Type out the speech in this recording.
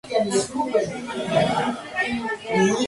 No tiene estrella con brillo mayor a la cuarta magnitud.